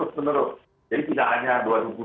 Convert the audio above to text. maka kebetulan kita akan vaksin akan muncul